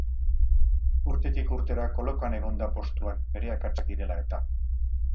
Urtetik urtera kolokan egon da postuan, bere akatsak direla eta.